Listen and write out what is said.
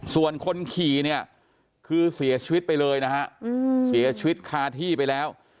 ส่วนคนขี่เนี่ยคือเสียชีวิตไปเลยนะฮะเสียชีวิตคาที่ไปแล้ว